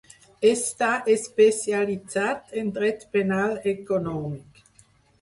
Està especialitzat en dret penal econòmic.